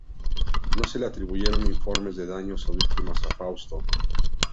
No se le atribuyeron informes de daños o víctimas a Fausto.